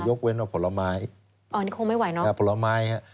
ยกเว้นว่าผลไม้อันนี้คงไม่ไหวเนอะ